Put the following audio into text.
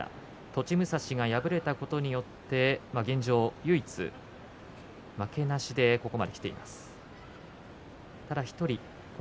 栃武蔵が敗れたことによって現状、唯一負けなしでここまできています。